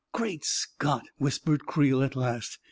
" Great Scott !" whispered Creel, at last.